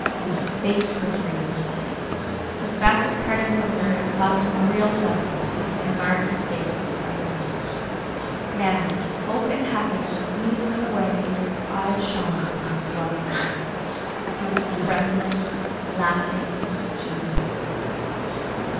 His face was radiant. The fact of parting from her had caused him real suffering, had marked his face with hard lines. Now, hope and happiness smoothed them away and his eyes shone with his love for her. He was trembling, laughing, jubilant.